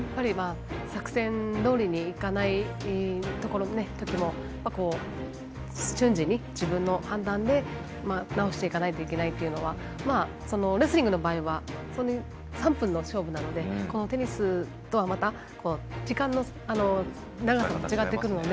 作戦どおりにいかないところも瞬時に自分の判断で直していかないといけないというのはレスリングの場合は３分の勝負なのでテニスとはまた時間の長さも違ってくるので。